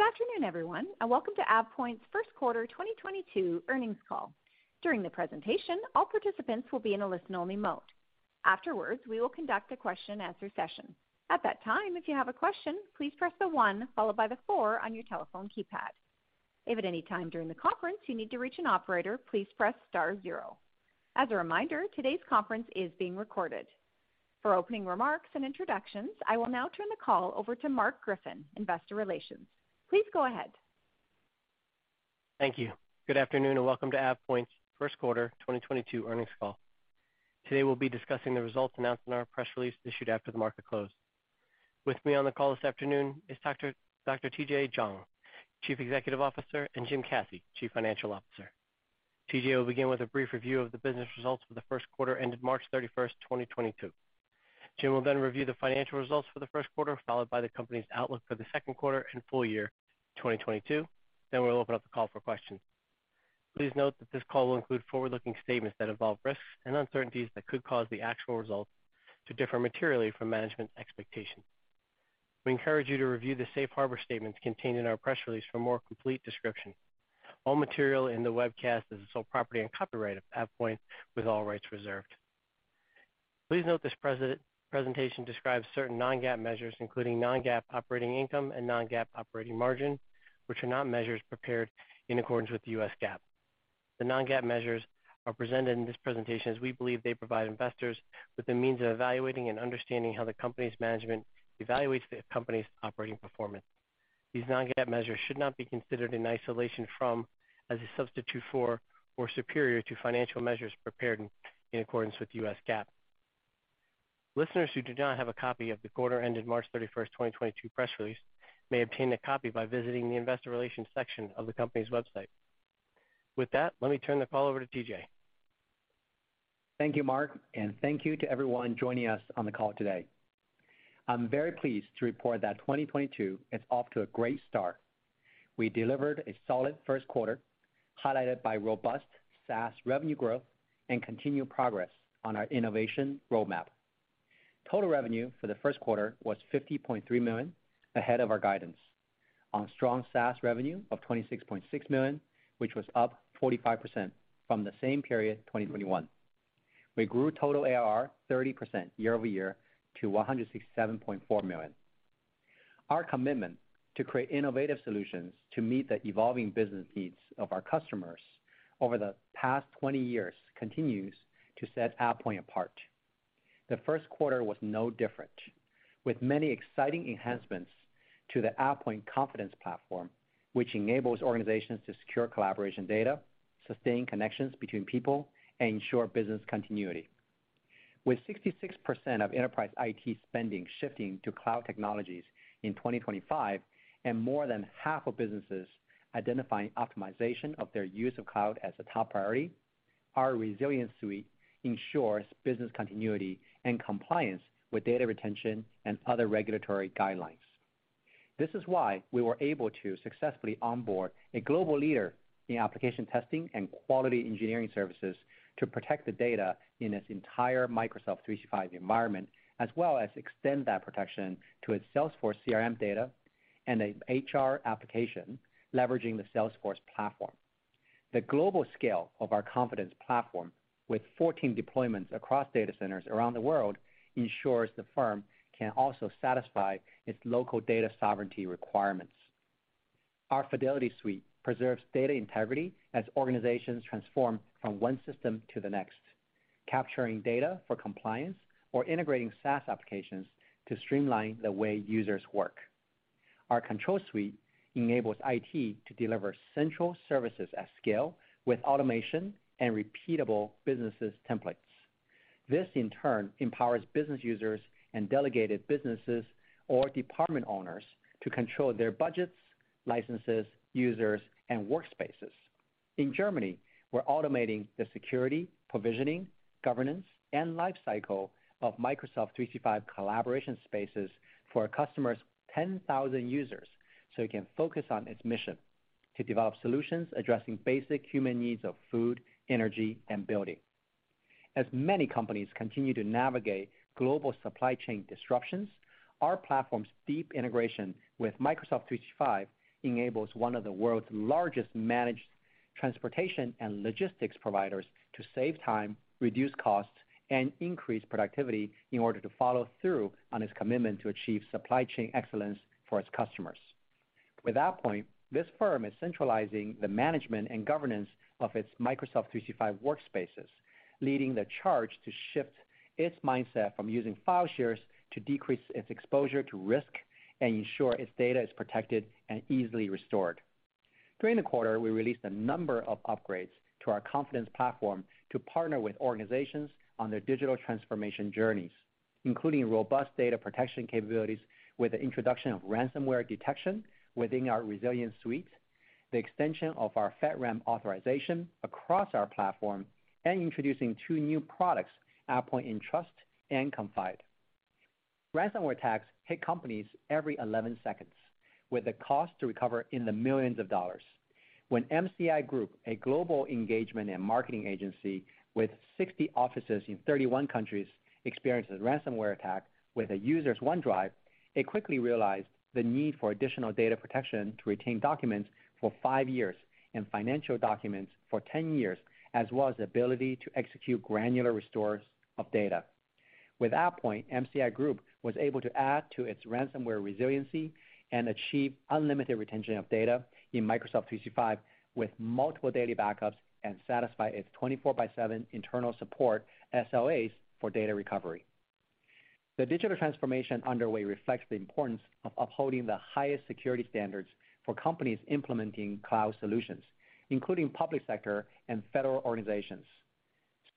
Good afternoon, everyone, and welcome to AvePoint's first quarter 2022 earnings call. During the presentation, all participants will be in a listen-only mode. Afterwards, we will conduct a question and answer session. At that time, if you have a question, please press the one followed by the four on your telephone keypad. If at any time during the conference you need to reach an operator, please press star zero. As a reminder, today's conference is being recorded. For opening remarks and introductions, I will now turn the call over to Marc Griffin, Investor Relations. Please go ahead. Thank you. Good afternoon, and welcome to AvePoint's first quarter 2022 earnings call. Today we'll be discussing the results announced in our press release issued after the market closed. With me on the call this afternoon is Dr. Tianyi Jiang, Chief Executive Officer, and Jim Caci, Chief Financial Officer. TJ will begin with a brief review of the business results for the first quarter ended March 31, 2022. Jim will then review the financial results for the first quarter, followed by the company's outlook for the second quarter and full year 2022. We'll open up the call for questions. Please note that this call will include forward-looking statements that involve risks and uncertainties that could cause the actual results to differ materially from management's expectations. We encourage you to review the safe harbor statements contained in our press release for more complete description. All material in the webcast is the sole property and copyright of AvePoint, with all rights reserved. Please note this presentation describes certain non-GAAP measures, including non-GAAP operating income and non-GAAP operating margin, which are not measures prepared in accordance with the U.S. GAAP. The non-GAAP measures are presented in this presentation as we believe they provide investors with a means of evaluating and understanding how the company's management evaluates the company's operating performance. These non-GAAP measures should not be considered in isolation from, as a substitute for, or superior to financial measures prepared in accordance with U.S. GAAP. Listeners who do not have a copy of the quarter ended March 31, 2022 press release may obtain a copy by visiting the investor relations section of the company's website. With that, let me turn the call over to TJ. Thank you, Marc, and thank you to everyone joining us on the call today. I'm very pleased to report that 2022 is off to a great start. We delivered a solid first quarter, highlighted by robust SaaS revenue growth and continued progress on our innovation roadmap. Total revenue for the first quarter was $50.3 million, ahead of our guidance. On strong SaaS revenue of $26.6 million, which was up 45% from the same period 2021. We grew total ARR 30% year over year to $167.4 million. Our commitment to create innovative solutions to meet the evolving business needs of our customers over the past 20 years continues to set AvePoint apart. The first quarter was no different. With many exciting enhancements to the AvePoint Confidence Platform, which enables organizations to secure collaboration data, sustain connections between people, and ensure business continuity. With 66% of enterprise IT spending shifting to cloud technologies in 2025 and more than half of businesses identifying optimization of their use of cloud as a top priority, our Resilience Suite ensures business continuity and compliance with data retention and other regulatory guidelines. This is why we were able to successfully onboard a global leader in application testing and quality engineering services to protect the data in its entire Microsoft 365 environment, as well as extend that protection to its Salesforce CRM data and the HR application leveraging the Salesforce platform. The global scale of our Confidence Platform, with 14 deployments across data centers around the world, ensures the firm can also satisfy its local data sovereignty requirements. Our Fidelity Suite preserves data integrity as organizations transform from one system to the next, capturing data for compliance or integrating SaaS applications to streamline the way users work. Our Control Suite enables IT to deliver central services at scale with automation and repeatable business templates. This in turn empowers business users and delegated businesses or department owners to control their budgets, licenses, users, and workspaces. In Germany, we're automating the security, provisioning, governance, and lifecycle of Microsoft 365 collaboration spaces for a customer's 10,000 users, so it can focus on its mission to develop solutions addressing basic human needs of food, energy, and building. As many companies continue to navigate global supply chain disruptions, our platform's deep integration with Microsoft 365 enables one of the world's largest managed transportation and logistics providers to save time, reduce costs, and increase productivity in order to follow through on its commitment to achieve supply chain excellence for its customers. With AvePoint, this firm is centralizing the management and governance of its Microsoft 365 workspaces, leading the charge to shift its mindset from using file shares to decrease its exposure to risk and ensure its data is protected and easily restored. During the quarter, we released a number of upgrades to our Confidence Platform to partner with organizations on their digital transformation journeys, including robust data protection capabilities with the introduction of ransomware detection within our Resilience Suite, the extension of our FedRAMP authorization across our platform, and introducing two new products, AvePoint Entrust and AvePoint Confide. Ransomware attacks hit companies every 11 seconds, with the cost to recover in the $ millions. When MCI Group, a global engagement and marketing agency with 60 offices in 31 countries, experienced a ransomware attack with a user's OneDrive, they quickly realized the need for additional data protection to retain documents for 5 years and financial documents for 10 years, as well as the ability to execute granular restores of data. With AvePoint, MCI Group was able to add to its ransomware resiliency and achieve unlimited retention of data in Microsoft 365 with multiple daily backups and satisfy its 24/7 internal support SLAs for data recovery. The digital transformation underway reflects the importance of upholding the highest security standards for companies implementing cloud solutions, including public sector and federal organizations.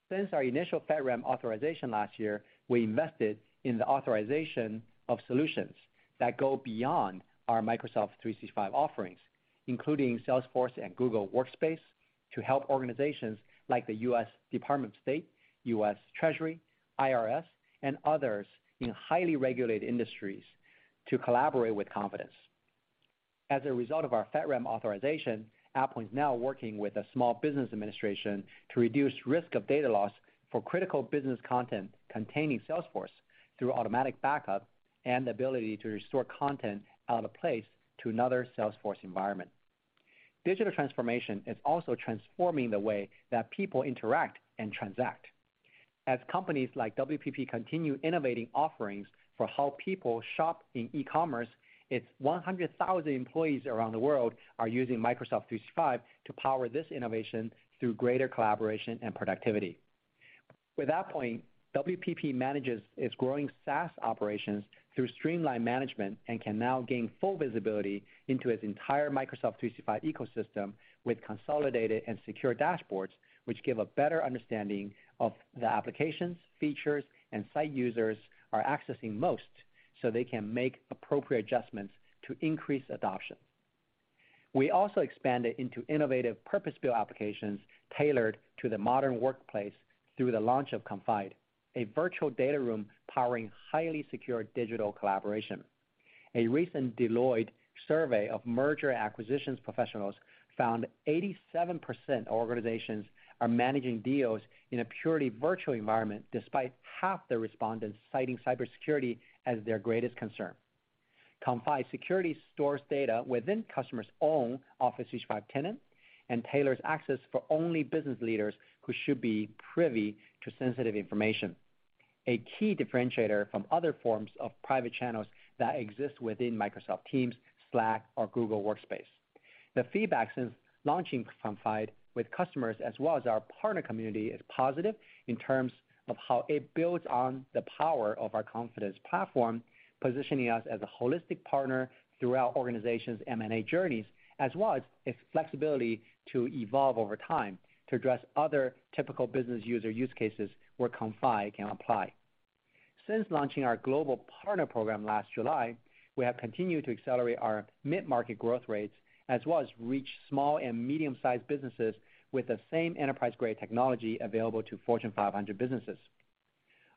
Since our initial FedRAMP authorization last year, we invested in the authorization of solutions that go beyond our Microsoft 365 offerings, including Salesforce and Google Workspace, to help organizations like the U.S. Department of State, U.S. Treasury, IRS, and others in highly regulated industries to collaborate with confidence. As a result of our FedRAMP authorization, AvePoint's now working with the Small Business Administration to reduce risk of data loss for critical business content containing Salesforce through automatic backup and the ability to restore content out of place to another Salesforce environment. Digital transformation is also transforming the way that people interact and transact. As companies like WPP continue innovating offerings for how people shop in e-commerce, its 100,000 employees around the world are using Microsoft 365 to power this innovation through greater collaboration and productivity. With AvePoint, WPP manages its growing SaaS operations through streamlined management and can now gain full visibility into its entire Microsoft 365 ecosystem with consolidated and secure dashboards, which give a better understanding of the applications, features, and site users are accessing most so they can make appropriate adjustments to increase adoption. We also expanded into innovative purpose-built applications tailored to the modern workplace through the launch of Confide, a virtual data room powering highly secure digital collaboration. A recent Deloitte survey of M&A professionals found 87% of organizations are managing deals in a purely virtual environment, despite half the respondents citing cybersecurity as their greatest concern. Confide security stores data within customers' own Office 365 tenant and tailors access for only business leaders who should be privy to sensitive information, a key differentiator from other forms of private channels that exist within Microsoft Teams, Slack, or Google Workspace. The feedback since launching Confide with customers as well as our partner community is positive in terms of how it builds on the power of our Confidence Platform, positioning us as a holistic partner throughout organizations' M&A journeys, as well as its flexibility to evolve over time to address other typical business user use cases where Confide can apply. Since launching our global partner program last July, we have continued to accelerate our mid-market growth rates, as well as reach small and medium-sized businesses with the same enterprise-grade technology available to Fortune 500 businesses.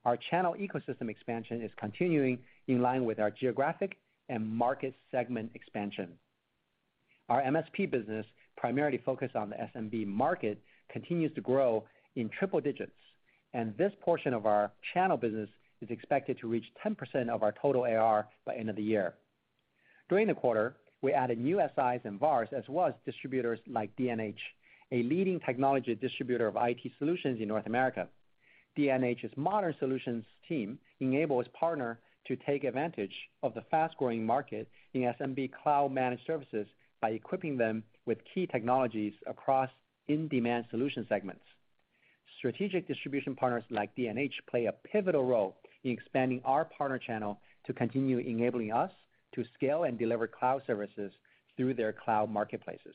Our channel ecosystem expansion is continuing in line with our geographic and market segment expansion. Our MSP business, primarily focused on the SMB market, continues to grow in triple digits, and this portion of our channel business is expected to reach 10% of our total ARR by end of the year. During the quarter, we added new SIs and VARs, as well as distributors like D&H, a leading technology distributor of IT solutions in North America. D&H's Modern Solutions team enable its partner to take advantage of the fast-growing market in SMB cloud managed services by equipping them with key technologies across in-demand solution segments. Strategic distribution partners like D&H play a pivotal role in expanding our partner channel to continue enabling us to scale and deliver cloud services through their cloud marketplaces.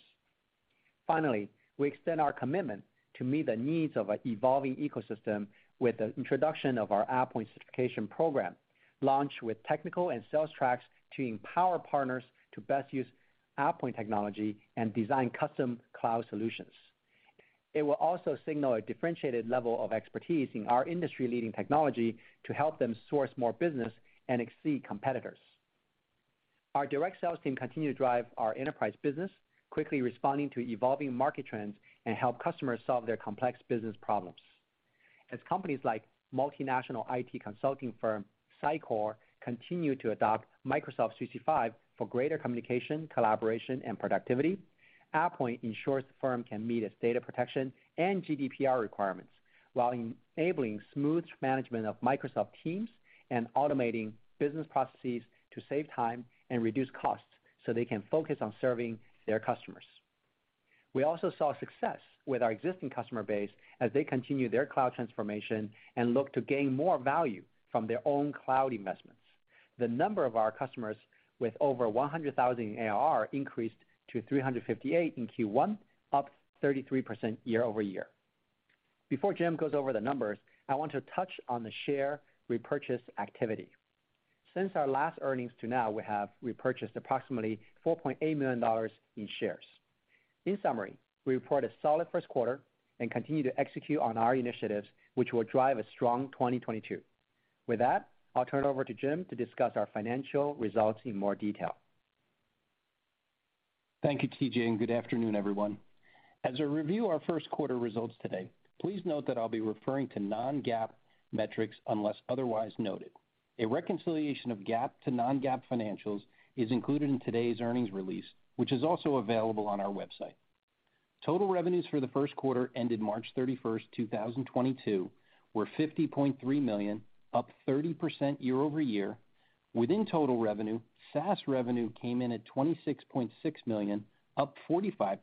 Finally, we extend our commitment to meet the needs of an evolving ecosystem with the introduction of our AvePoint Certification Program, launched with technical and sales tracks to empower partners to best use AvePoint technology and design custom cloud solutions. It will also signal a differentiated level of expertise in our industry-leading technology to help them source more business and exceed competitors. Our direct sales team continue to drive our enterprise business, quickly responding to evolving market trends and help customers solve their complex business problems. As companies like multinational IT consulting firm, Sycor, continue to adopt Microsoft 365 for greater communication, collaboration, and productivity, AvePoint ensures the firm can meet its data protection and GDPR requirements while enabling smooth management of Microsoft Teams and automating business processes to save time and reduce costs so they can focus on serving their customers. We also saw success with our existing customer base as they continue their cloud transformation and look to gain more value from their own cloud investments. The number of our customers with over $100,000 in ARR increased to 358 in Q1, up 33% year-over-year. Before Jim goes over the numbers, I want to touch on the share repurchase activity. Since our last earnings to now, we have repurchased approximately $4.8 million in shares. In summary, we report a solid first quarter and continue to execute on our initiatives, which will drive a strong 2022. With that, I'll turn it over to Jim to discuss our financial results in more detail. Thank you, TJ, and good afternoon, everyone. As I review our first quarter results today, please note that I'll be referring to non-GAAP metrics unless otherwise noted. A reconciliation of GAAP to non-GAAP financials is included in today's earnings release, which is also available on our website. Total revenues for the first quarter ended March 31, 2022 were $50.3 million, up 30% year-over-year. Within total revenue, SaaS revenue came in at $26.6 million, up 45%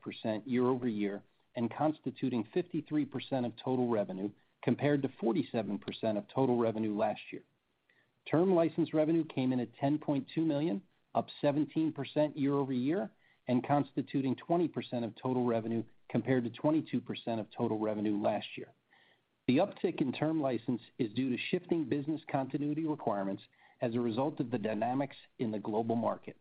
year-over-year, and constituting 53% of total revenue compared to 47% of total revenue last year. Term license revenue came in at $10.2 million, up 17% year-over-year, and constituting 20% of total revenue compared to 22% of total revenue last year. The uptick in term license is due to shifting business continuity requirements as a result of the dynamics in the global market.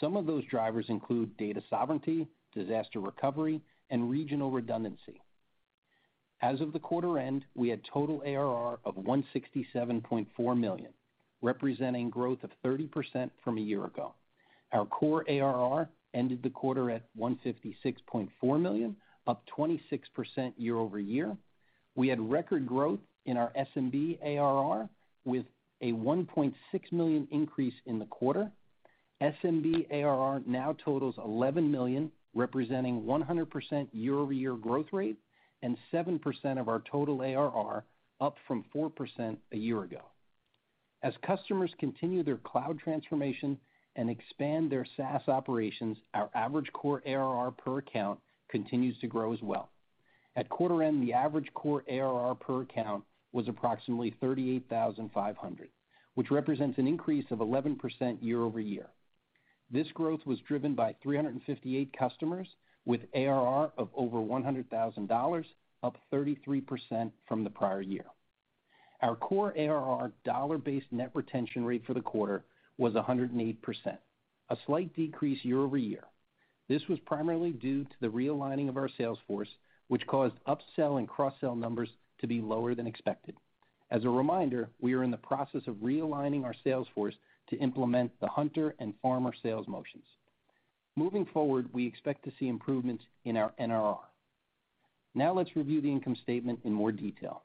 Some of those drivers include data sovereignty, disaster recovery, and regional redundancy. As of the quarter end, we had total ARR of $167.4 million, representing growth of 30% from a year ago. Our core ARR ended the quarter at $156.4 million, up 26% year-over-year. We had record growth in our SMB ARR with a $1.6 million increase in the quarter. SMB ARR now totals $11 million, representing 100% year-over-year growth rate and 7% of our total ARR, up from 4% a year ago. As customers continue their cloud transformation and expand their SaaS operations, our average core ARR per account continues to grow as well. At quarter end, the average core ARR per account was approximately $38,500, which represents an increase of 11% year-over-year. This growth was driven by 358 customers with ARR of over $100,000, up 33% from the prior year. Our core ARR dollar-based net retention rate for the quarter was 108%, a slight decrease year-over-year. This was primarily due to the realigning of our sales force, which caused upsell and cross-sell numbers to be lower than expected. As a reminder, we are in the process of realigning our sales force to implement the hunter and farmer sales motions. Moving forward, we expect to see improvements in our NRR. Now let's review the income statement in more detail.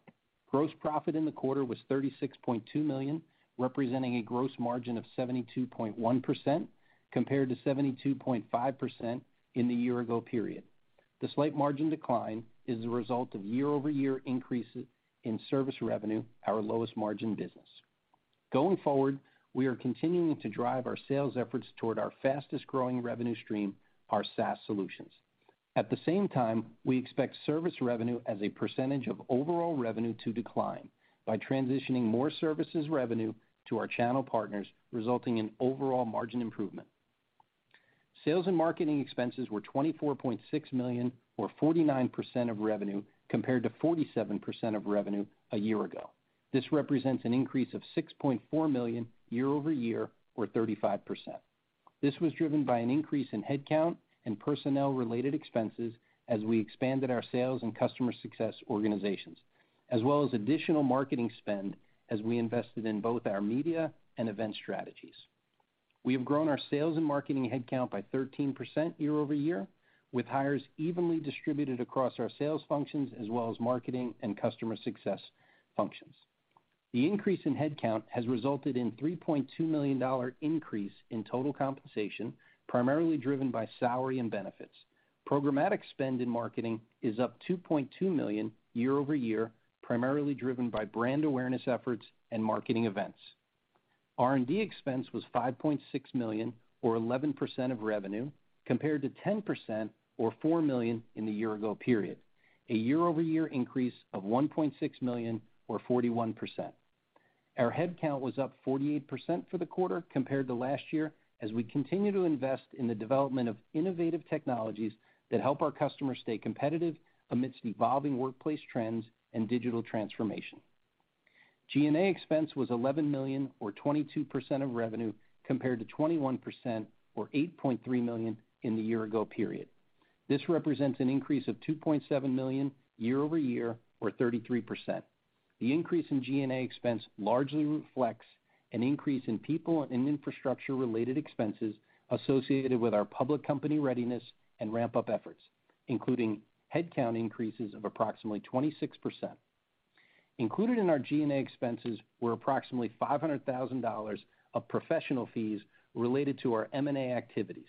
Gross profit in the quarter was $36.2 million, representing a gross margin of 72.1% compared to 72.5% in the year-ago period. The slight margin decline is the result of year-over-year increases in service revenue, our lowest margin business. Going forward, we are continuing to drive our sales efforts toward our fastest-growing revenue stream, our SaaS solutions. At the same time, we expect service revenue as a percentage of overall revenue to decline by transitioning more services revenue to our channel partners, resulting in overall margin improvement. Sales and marketing expenses were $24.6 million or 49% of revenue compared to 47% of revenue a year ago. This represents an increase of $6.4 million year-over-year or 35%. This was driven by an increase in headcount and personnel-related expenses as we expanded our sales and customer success organizations, as well as additional marketing spend as we invested in both our media and event strategies. We have grown our sales and marketing headcount by 13% year-over-year, with hires evenly distributed across our sales functions as well as marketing and customer success functions. The increase in headcount has resulted in $3.2 million increase in total compensation, primarily driven by salary and benefits. Programmatic spend in marketing is up $2.2 million year-over-year, primarily driven by brand awareness efforts and marketing events. R&D expense was $5.6 million or 11% of revenue compared to 10% or $4 million in the year-ago period. Year-over-year increase of $1.6 million or 41%. Our headcount was up 48% for the quarter compared to last year as we continue to invest in the development of innovative technologies that help our customers stay competitive amidst evolving workplace trends and digital transformation. G&A expense was $11 million or 22% of revenue compared to 21% or $8.3 million in the year ago period. This represents an increase of $2.7 million year-over-year or 33%. The increase in G&A expense largely reflects an increase in people and infrastructure-related expenses associated with our public company readiness and ramp-up efforts, including headcount increases of approximately 26%. Included in our G&A expenses were approximately $500,000 of professional fees related to our M&A activities.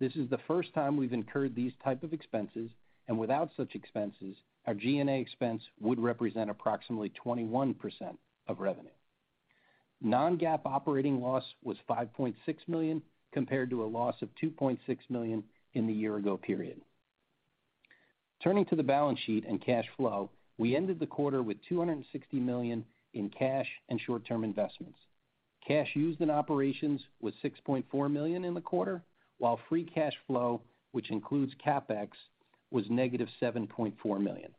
This is the first time we've incurred these type of expenses, and without such expenses, our G&A expense would represent approximately 21% of revenue. non-GAAP operating loss was $5.6 million compared to a loss of $2.6 million in the year ago period. Turning to the balance sheet and cash flow, we ended the quarter with $260 million in cash and short-term investments. Cash used in operations was $6.4 million in the quarter, while free cash flow, which includes CapEx, was negative $7.4 million.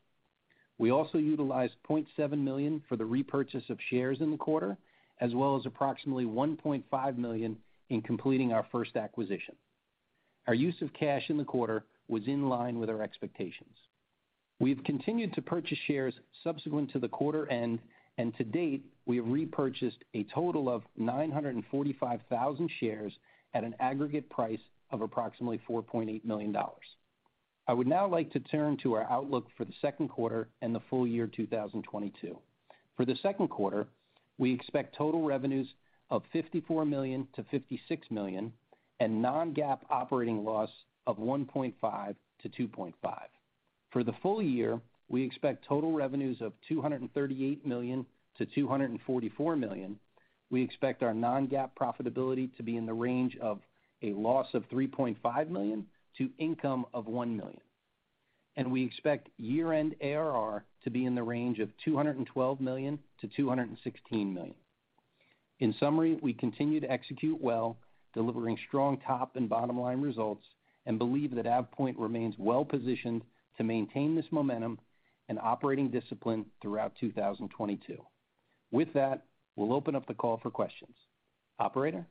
We also utilized $0.7 million for the repurchase of shares in the quarter, as well as approximately $1.5 million in completing our first acquisition. Our use of cash in the quarter was in line with our expectations. We've continued to purchase shares subsequent to the quarter end, and to date, we have repurchased a total of 945,000 shares at an aggregate price of approximately $4.8 million. I would now like to turn to our outlook for the second quarter and the full year 2022. For the second quarter, we expect total revenues of $54 million-$56 million and non-GAAP operating loss of $1.5 million-$2.5 million. For the full year, we expect total revenues of $238 million-$244 million. We expect our non-GAAP profitability to be in the range of a loss of $3.5 million to income of $1 million. We expect year-end ARR to be in the range of $212 million-$216 million. In summary, we continue to execute well, delivering strong top and bottom-line results, and believe that AvePoint remains well positioned to maintain this momentum and operating discipline throughout 2022. With that, we'll open up the call for questions. Operator?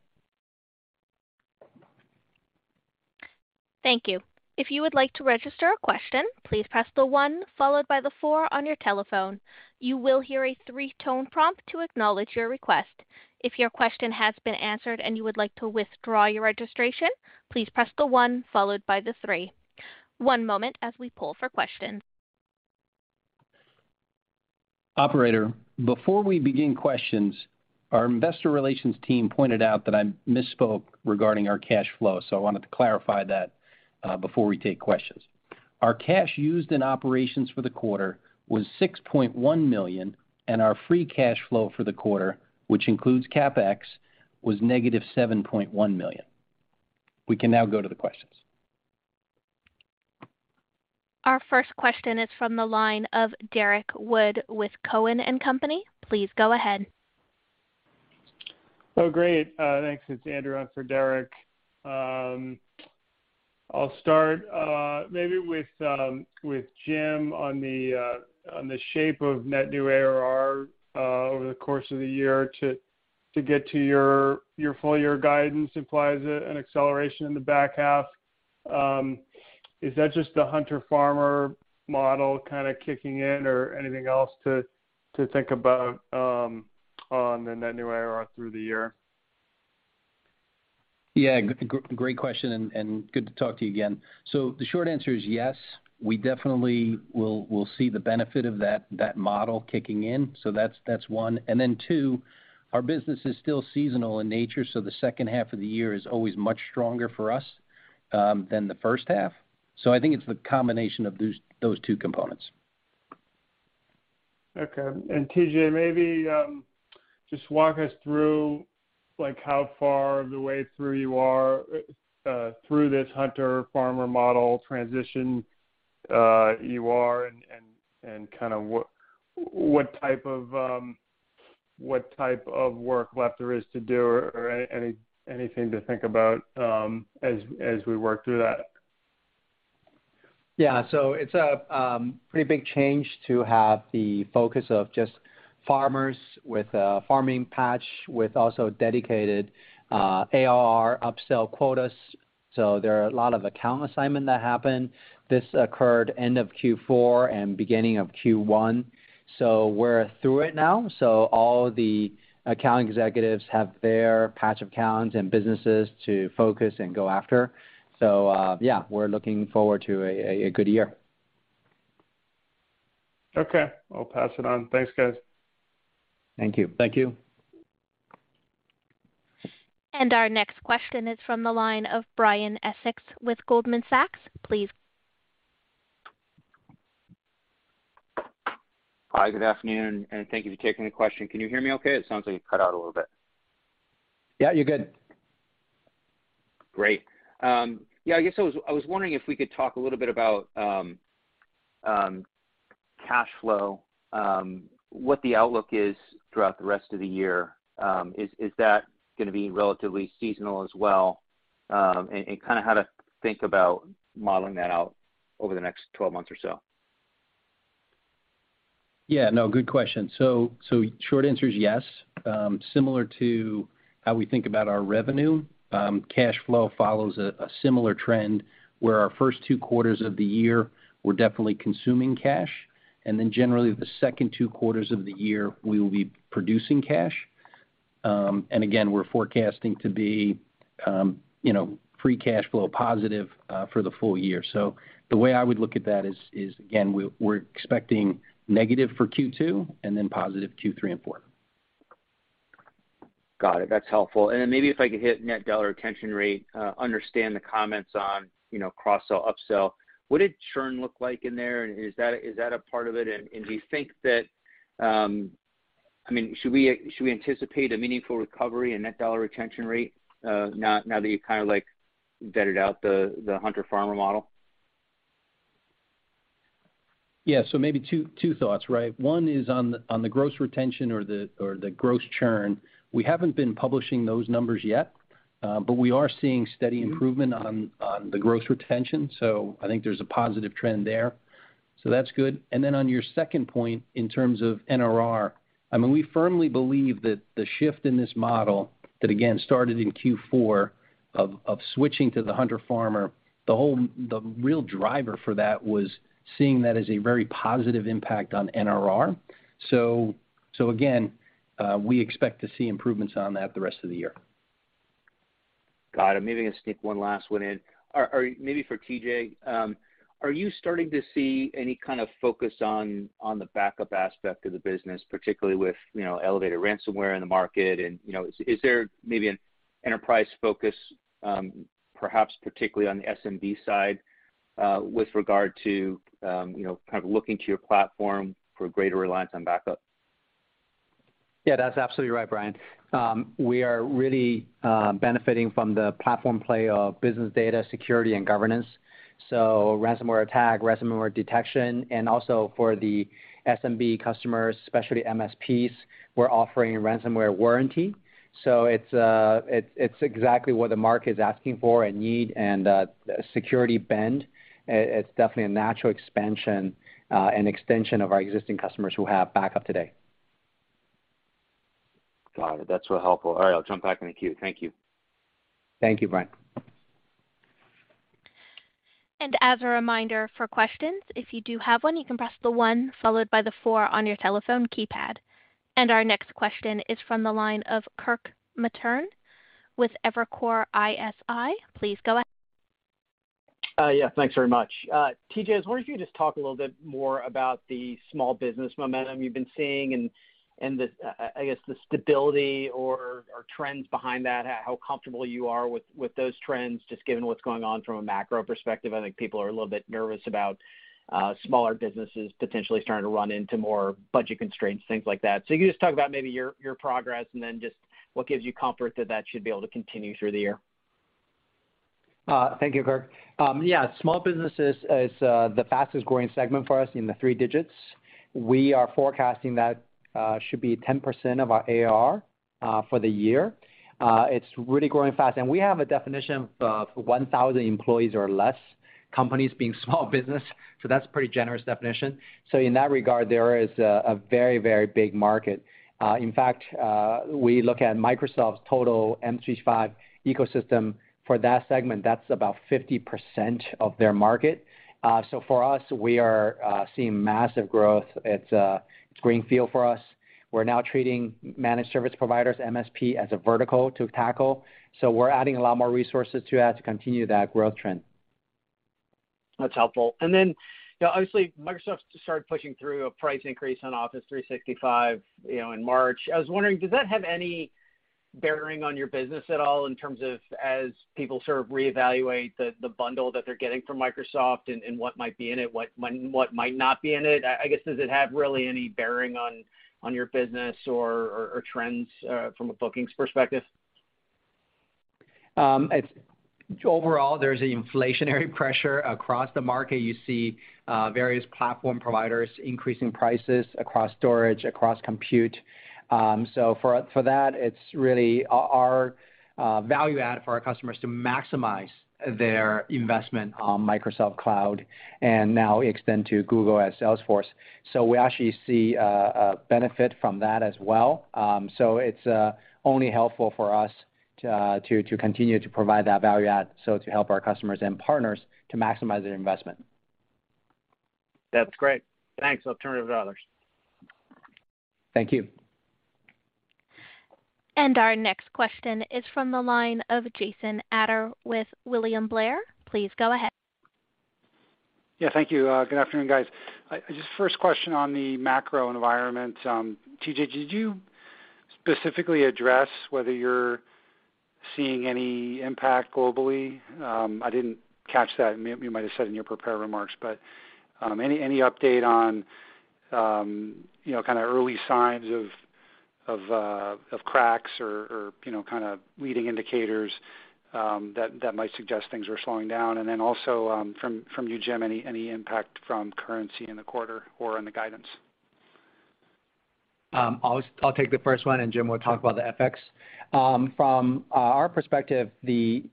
Thank you. If you would like to register a question, please press the one followed by the four on your telephone. You will hear a three-tone prompt to acknowledge your request. If your question has been answered and you would like to withdraw your registration, please press the one followed by the three. One moment as we pull for questions. Operator, before we begin questions, our investor relations team pointed out that I misspoke regarding our cash flow, so I wanted to clarify that before we take questions. Our cash used in operations for the quarter was $6.1 million, and our free cash flow for the quarter, which includes CapEx, was -$7.1 million. We can now go to the questions. Our first question is from the line of Derrick Wood with Cowen and Company. Please go ahead. Oh, great. Thanks. It's Andrew on for Derrick. I'll start maybe with Jim on the shape of net new ARR over the course of the year to get to your full year guidance implies an acceleration in the back half. Is that just the hunter/farmer model kinda kicking in or anything else to think about on the net new ARR through the year? Yeah, great question and good to talk to you again. The short answer is yes, we definitely will see the benefit of that model kicking in. That's one. Two, our business is still seasonal in nature, so the second half of the year is always much stronger for us than the first half. I think it's the combination of those two components. Okay. TJ, maybe just walk us through, like, how far of the way through you are through this hunter/farmer model transition you are and kinda what type of work left there is to do or anything to think about, as we work through that. Yeah. It's a pretty big change to have the focus of just farmers with a farming patch with also dedicated ARR upsell quotas. There are a lot of account assignment that happened. This occurred end of Q4 and beginning of Q1. We're through it now. All the account executives have their patch accounts and businesses to focus and go after. Yeah, we're looking forward to a good year. Okay. I'll pass it on. Thanks, guys. Thank you. Thank you. Our next question is from the line of Brian Essex with Goldman Sachs. Please. Hi. Good afternoon, and thank you for taking the question. Can you hear me okay? It sounds like you cut out a little bit. Yeah, you're good. Great. Yeah, I guess I was wondering if we could talk a little bit about cash flow, what the outlook is throughout the rest of the year. Is that gonna be relatively seasonal as well? Kinda how to think about modeling that out over the next twelve months or so. Yeah. No, good question. Short answer is yes. Similar to how we think about our revenue, cash flow follows a similar trend where our first two quarters of the year, we're definitely consuming cash. Then generally, the second two quarters of the year, we will be producing cash. And again, we're forecasting to be, you know, free cash flow positive, for the full year. The way I would look at that is, again, we're expecting negative for Q2 and then positive Q3 and four. Got it. That's helpful. Then maybe if I could hit net dollar retention rate, understand the comments on, you know, cross sell, upsell. What did churn look like in there? Do you think that I mean, should we anticipate a meaningful recovery in net dollar retention rate, now that you've kinda like vetted out the hunter/farmer model? Yeah. Maybe two thoughts, right? One is on the gross retention or the gross churn. We haven't been publishing those numbers yet, but we are seeing steady improvement on the gross retention. I think there's a positive trend there. That's good. On your second point, in terms of NRR, I mean, we firmly believe that the shift in this model that again started in Q4 of switching to the hunter farmer, the real driver for that was seeing that as a very positive impact on NRR. Again, we expect to see improvements on that the rest of the year. Got it. Maybe I can sneak one last one in. Or maybe for TJ. Are you starting to see any kind of focus on the backup aspect of the business, particularly with, you know, elevated ransomware in the market? You know, is there maybe an enterprise focus, perhaps particularly on the SMB side, with regard to, you know, kind of looking to your platform for greater reliance on backup? Yeah, that's absolutely right, Brian. We are really benefiting from the platform play of business data security and governance. Ransomware attack, ransomware detection, and also for the SMB customers, especially MSPs, we're offering a ransomware warranty. It's exactly what the market is asking for and needs and security trend. It's definitely a natural expansion and extension of our existing customers who have backup today. Got it. That's so helpful. All right, I'll jump back in the queue. Thank you. Thank you, Brian. As a reminder for questions, if you do have one, you can press the one followed by the four on your telephone keypad. Our next question is from the line of Kirk Materne with Evercore ISI. Please go ahead. Yeah, thanks very much. TJ, I was wondering if you could just talk a little bit more about the small business momentum you've been seeing and the, I guess, the stability or trends behind that, how comfortable you are with those trends, just given what's going on from a macro perspective. I think people are a little bit nervous about smaller businesses potentially starting to run into more budget constraints, things like that. Can you just talk about maybe your progress and then just what gives you comfort that should be able to continue through the year? Thank you, Kirk. Yeah, small business is the fastest-growing segment for us in the three digits. We are forecasting that should be 10% of our ARR for the year. It's really growing fast. We have a definition of 1,000 employees or less companies being small business, so that's a pretty generous definition. In that regard, there is a very, very big market. In fact, we look at Microsoft's total M365 ecosystem for that segment, that's about 50% of their market. For us, we are seeing massive growth. It's green field for us. We're now treating managed service providers, MSP, as a vertical to tackle. We're adding a lot more resources to that to continue that growth trend. That's helpful. Then, you know, obviously, Microsoft started pushing through a price increase on Office 365, you know, in March. I was wondering, does that have any bearing on your business at all in terms of as people sort of reevaluate the bundle that they're getting from Microsoft and what might be in it, what might not be in it? I guess, does it have really any bearing on your business or trends from a bookings perspective? Overall, there's an inflationary pressure across the market. You see, various platform providers increasing prices across storage, across compute. For that, it's really our value add for our customers to maximize their investment on Microsoft Cloud and now extend to Google and Salesforce. We actually see a benefit from that as well. It's only helpful for us to continue to provide that value add so to help our customers and partners to maximize their investment. That's great. Thanks. I'll turn it to others. Thank you. Our next question is from the line of Jason Ader with William Blair. Please go ahead. Yeah. Thank you. Good afternoon, guys. I just first question on the macro environment. TJ, did you specifically address whether you're seeing any impact globally? I didn't catch that. You might have said in your prepared remarks, but any update on you know, kind of early signs of cracks or you know, kind of leading indicators that might suggest things are slowing down? Then also, from you, Jim, any impact from currency in the quarter or on the guidance? I'll take the first one, and Jim will talk about the FX. From our perspective, the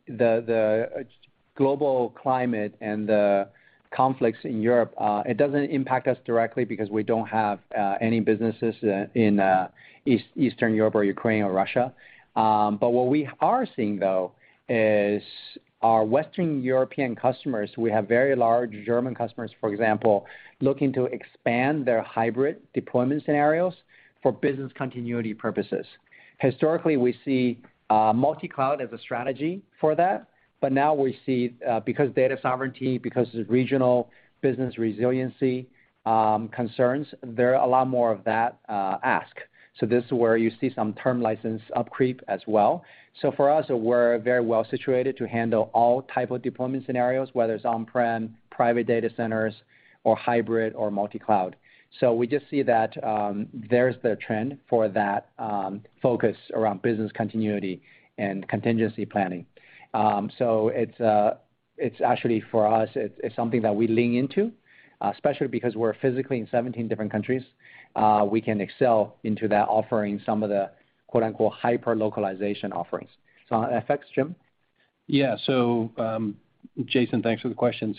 global climate and the conflicts in Europe, it doesn't impact us directly because we don't have any businesses in Eastern Europe or Ukraine or Russia. But what we are seeing, though, is our Western European customers, we have very large German customers, for example, looking to expand their hybrid deployment scenarios for business continuity purposes. Historically, we see multi-cloud as a strategy for that, but now we see, because data sovereignty, because regional business resiliency concerns, there are a lot more of that ask. This is where you see some term license upcreep as well. For us, we're very well situated to handle all type of deployment scenarios, whether it's on-prem, private data centers or hybrid or multi-cloud. We just see that there's the trend for that focus around business continuity and contingency planning. It's actually for us, it's something that we lean into, especially because we're physically in 17 different countries. We can excel in that, offering some of the "hyper-localization offerings." On FX, Jim? Yeah. Jason, thanks for the question.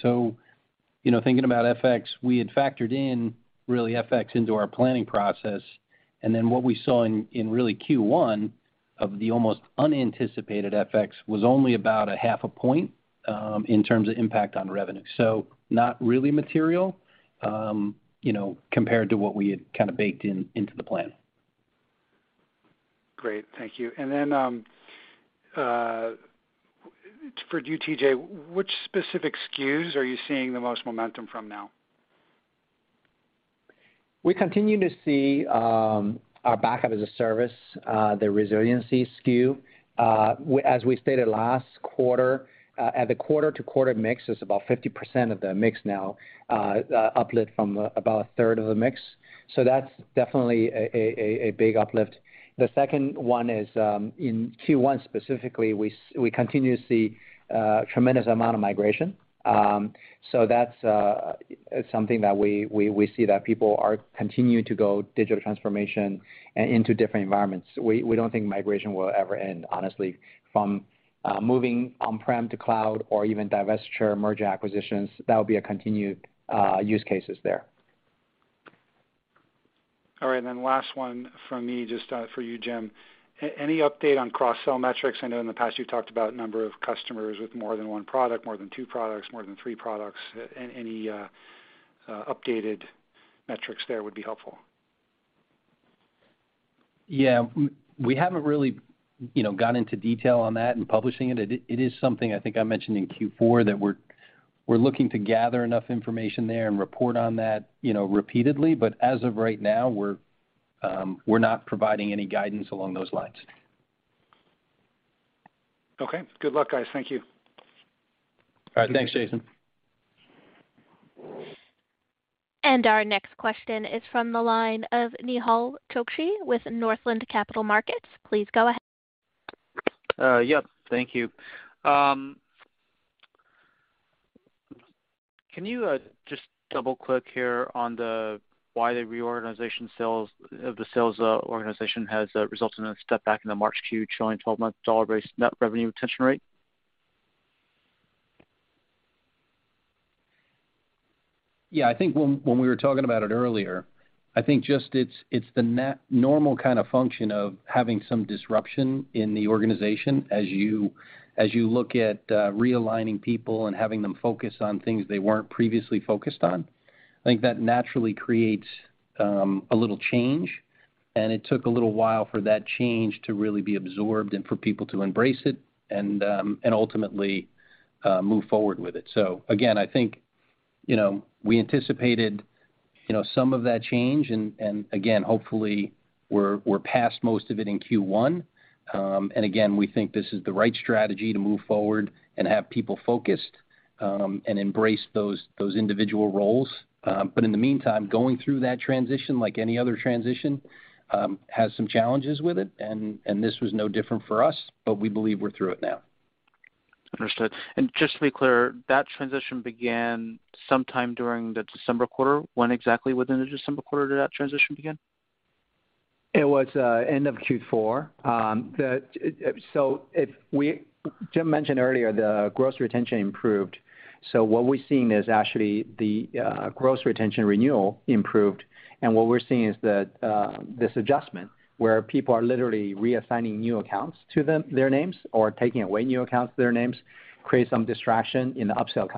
You know, thinking about FX, we had factored in really FX into our planning process. What we saw in really Q1 of the almost unanticipated FX was only about half a point in terms of impact on revenue. Not really material, you know, compared to what we had kind of baked into the plan. Great. Thank you. For you, TJ, which specific SKUs are you seeing the most momentum from now? We continue to see our backup as a service, the resiliency SKU. As we stated last quarter, the quarter-to-quarter mix is about 50% of the mix now, uplift from about a third of the mix. That's definitely a big uplift. The second one is in Q1 specifically, we continue to see a tremendous amount of migration. So that's something that we see that people are continuing to go digital transformation and into different environments. We don't think migration will ever end, honestly, from moving on-prem to cloud or even divestiture, merger acquisitions, that will be a continued use cases there. All right, last one from me, just for you, Jim. Any update on cross-sell metrics? I know in the past you've talked about number of customers with more than one product, more than two products, more than three products. Any updated metrics there would be helpful. Yeah. We haven't really, you know, gone into detail on that and publishing it. It is something I think I mentioned in Q4 that we're looking to gather enough information there and report on that, you know, repeatedly. As of right now, we're not providing any guidance along those lines. Okay. Good luck, guys. Thank you. All right. Thanks, Jason. Our next question is from the line of Nehal Chokshi with Northland Capital Markets. Please go ahead. Yep. Thank you. Can you just double-click here on why the reorganization of the sales organization has resulted in a step back in the March Q showing 12-month dollar-based net revenue retention rate? Yeah. I think when we were talking about it earlier, I think just it's the normal kind of function of having some disruption in the organization as you look at realigning people and having them focus on things they weren't previously focused on. I think that naturally creates a little change, and it took a little while for that change to really be absorbed and for people to embrace it and ultimately move forward with it. Again, I think, you know, we anticipated, you know, some of that change. Again, hopefully, we're past most of it in Q1. Again, we think this is the right strategy to move forward and have people focused and embrace those individual roles. In the meantime, going through that transition like any other transition has some challenges with it and this was no different for us, but we believe we're through it now. Understood. Just to be clear, that transition began sometime during the December quarter. When exactly within the December quarter did that transition begin? It was end of Q4. Jim mentioned earlier the gross retention improved. What we've seen is actually the gross retention renewal improved. What we're seeing is that this adjustment where people are literally reassigning new accounts to them, their names, or taking away new accounts to their names, creates some distraction in the upsell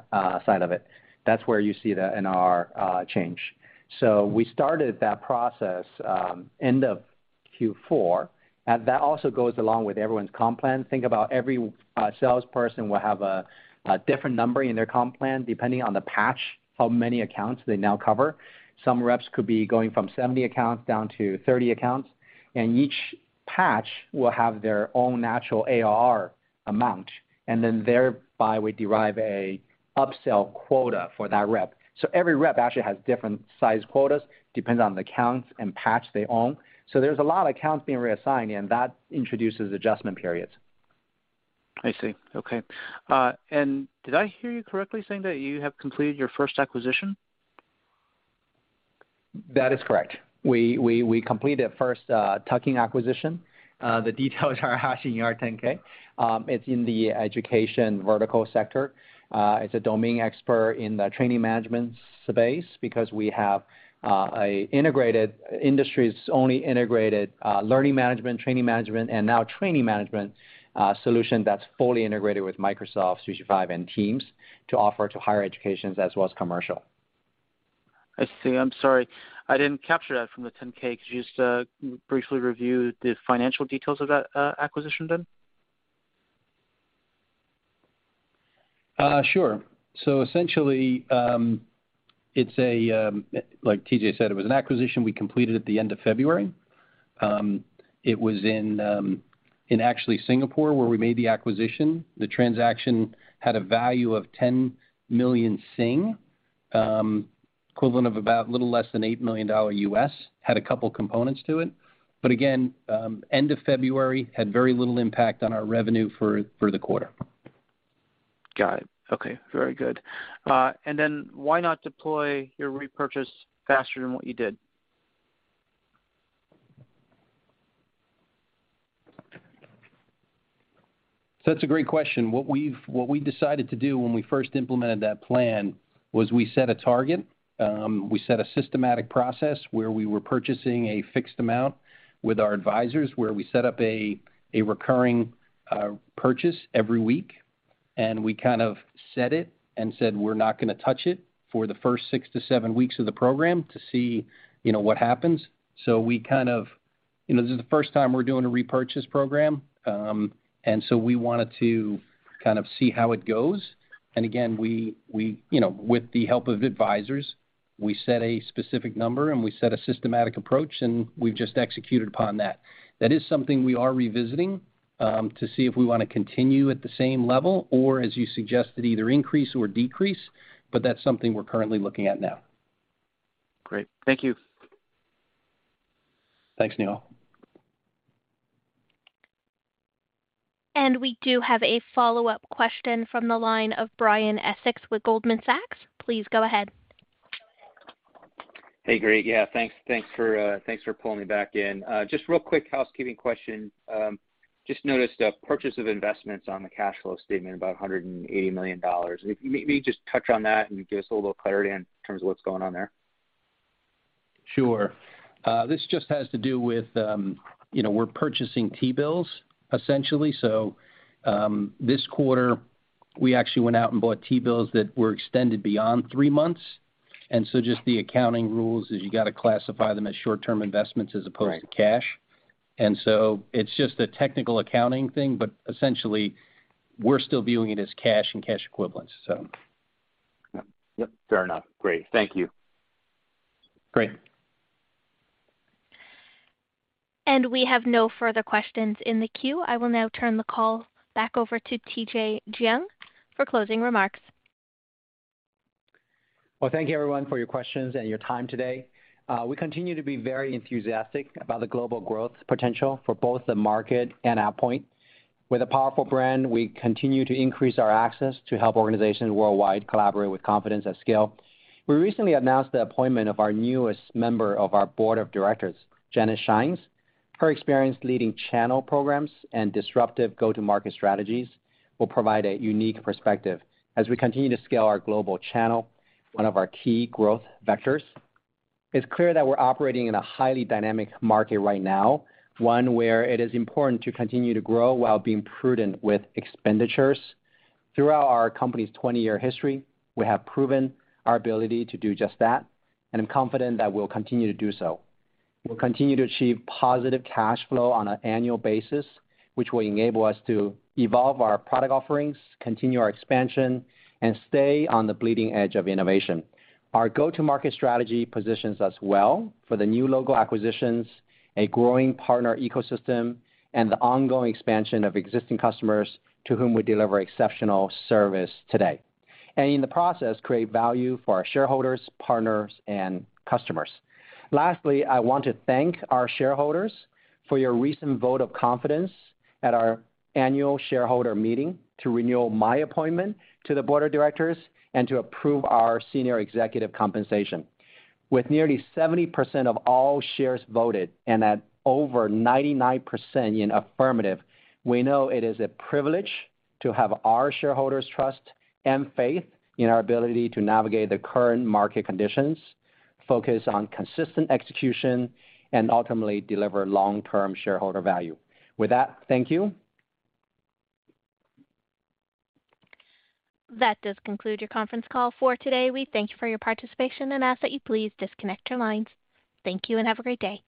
side of it. That's where you see the NRR change. We started that process end of Q4. That also goes along with everyone's comp plan. Think about every salesperson will have a different number in their comp plan depending on the patch, how many accounts they now cover. Some reps could be going from 70 accounts down to 30 accounts, and each patch will have their own natural ARR amount. Thereby we derive a upsell quota for that rep. Every rep actually has different size quotas, depends on the accounts and patch they own. There's a lot of accounts being reassigned, and that introduces adjustment periods. I see. Okay. Did I hear you correctly saying that you have completed your first acquisition? That is correct. We completed first tuck-in acquisition. The details are actually in our 10-K. It's in the education vertical sector. It's a domain expert in the training management space because we have an integrated, industry's only integrated, learning management, training management, and now training management solution that's fully integrated with Microsoft 365 and Microsoft Teams to offer to higher education as well as commercial. I see. I'm sorry. I didn't capture that from the 10-K. Could you just briefly review the financial details of that acquisition then? Sure. Essentially, like TJ said, it was an acquisition we completed at the end of February. It was in, actually, Singapore where we made the acquisition. The transaction had a value of 10 million, equivalent of about a little less than $8 million, had a couple components to it. Again, end of February had very little impact on our revenue for the quarter. Got it. Okay. Very good. Why not deploy your repurchase faster than what you did? That's a great question. What we decided to do when we first implemented that plan was we set a target. We set a systematic process where we were purchasing a fixed amount with our advisors, where we set up a recurring purchase every week, and we kind of set it and said, we're not gonna touch it for the first six to seven weeks of the program to see, you know, what happens. We kind of you know, this is the first time we're doing a repurchase program, and we wanted to kind of see how it goes. Again, we, you know, with the help of advisors, we set a specific number, and we set a systematic approach, and we've just executed upon that. That is something we are revisiting, to see if we wanna continue at the same level or, as you suggested, either increase or decrease, but that's something we're currently looking at now. Great. Thank you. Thanks, Nehal. We do have a follow-up question from the line of Brian Essex with Goldman Sachs. Please go ahead. Hey, Greg. Yeah, thanks for pulling me back in. Just real quick housekeeping question. Just noticed a purchase of investments on the cash flow statement, about $180 million. If you may just touch on that and give us a little clarity in terms of what's going on there. Sure. This just has to do with, you know, we're purchasing T-bills, essentially. This quarter, we actually went out and bought T-bills that were extended beyond three months. Just the accounting rules is you gotta classify them as short-term investments as opposed to cash. It's just a technical accounting thing, but essentially we're still viewing it as cash and cash equivalents, so. Yep, fair enough. Great. Thank you. Great. We have no further questions in the queue. I will now turn the call back over to Tianyi Jiang for closing remarks. Well, thank you everyone for your questions and your time today. We continue to be very enthusiastic about the global growth potential for both the market and AvePoint. With a powerful brand, we continue to increase our access to help organizations worldwide collaborate with confidence at scale. We recently announced the appointment of our newest member of our board of directors, Janet Schijns. Her experience leading channel programs and disruptive go-to-market strategies will provide a unique perspective as we continue to scale our global channel, one of our key growth vectors. It's clear that we're operating in a highly dynamic market right now, one where it is important to continue to grow while being prudent with expenditures. Throughout our company's 20-year history, we have proven our ability to do just that, and I'm confident that we'll continue to do so. We'll continue to achieve positive cash flow on an annual basis, which will enable us to evolve our product offerings, continue our expansion, and stay on the bleeding edge of innovation. Our go-to-market strategy positions us well for the new logo acquisitions, a growing partner ecosystem, and the ongoing expansion of existing customers to whom we deliver exceptional service today. In the process, create value for our shareholders, partners, and customers. Lastly, I want to thank our shareholders for your recent vote of confidence at our annual shareholder meeting to renew my appointment to the board of directors and to approve our senior executive compensation. With nearly 70% of all shares voted and at over 99% in affirmative, we know it is a privilege to have our shareholders' trust and faith in our ability to navigate the current market conditions, focus on consistent execution, and ultimately deliver long-term shareholder value. With that, thank you. That does conclude your conference call for today. We thank you for your participation and ask that you please disconnect your lines. Thank you, and have a great day.